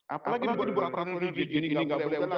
apalagi buat peraturan di gijin ini tidak boleh bela